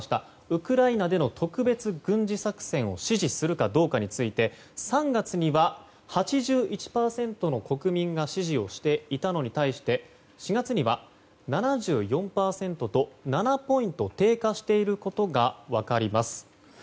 ウクライナでの特別軍事作戦を支持するかどうかについて３月には８１％の国民が支持をしていたのに対して４月には７４％と７ポイント低下していることが分かります。